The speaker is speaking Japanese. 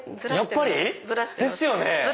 やっぱり⁉ですよね！